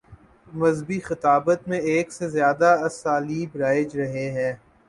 مذہبی خطابت میں ایک سے زیادہ اسالیب رائج رہے ہیں۔